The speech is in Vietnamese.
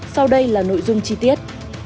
sau đây là nội dung chi tiết